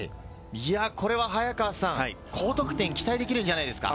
これは早川さん、高得点が期待できるんじゃないですか？